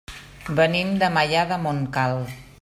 Venim de Maià de Montcal.